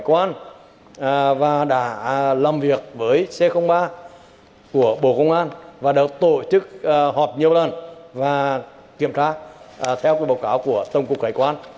tổng cục khải quan và đã làm việc với c ba của bộ công an và đã tổ chức họp nhiều lần và kiểm tra theo cái báo cáo của tổng cục khải quan